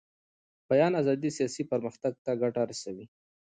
د بیان ازادي سیاسي پرمختګ ته ګټه رسوي